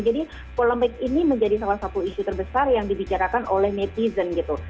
polemik ini menjadi salah satu isu terbesar yang dibicarakan oleh netizen gitu